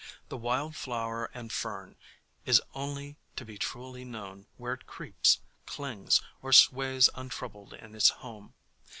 INVITATION IX The wild flower and fern is only to be truly known where it creeps, clings or sways untroubled in its home.